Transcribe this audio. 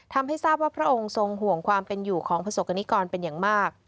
ทำให้ทราบว่าพระองค์ทรงห่วงความเป็นอยู่ของประสบกรณิกรเป็นอย่างมาก